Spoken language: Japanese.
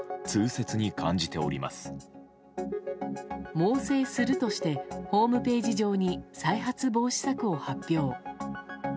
猛省するとしてホームページ上に再発防止策を発表。